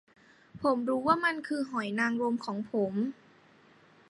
ผมรู้ว่ามันคือหอยนางรมของผม